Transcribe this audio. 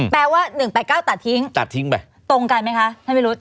แปลว่า๑๘๙ตัดทิ้งตรงกันไหมคะท่านมิรุฑ